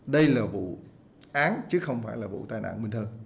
đây là vụ án chứ không phải là vụ tai nạn